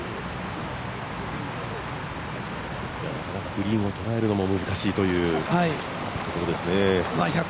グリーンをとらえるのも難しいというところですね。